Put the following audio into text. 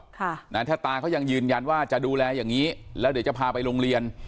ถ้าตาเขายังยืนยันว่าจะดูแลอย่างงี้แล้วเดี๋ยวจะพาไปโรงเรียน